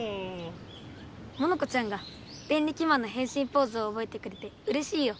モノコちゃんがデンリキマンのへんしんポーズをおぼえてくれてうれしいよ！